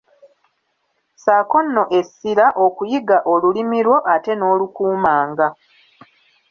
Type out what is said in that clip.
Ssaako nno essira okuyiga olulimi lwo ate n'olukuumanga.